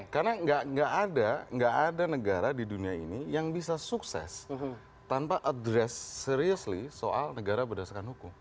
karena enggak ada negara di dunia ini yang bisa sukses tanpa address seriusly soal negara berdasarkan hukum